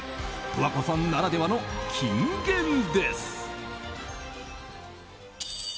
十和子さんならではの金言です。